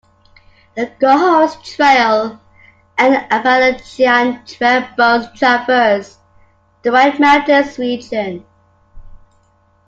The Cohos Trail and Appalachian Trail both traverse the White Mountains region.